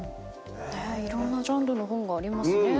いろんなジャンルの本がありますね。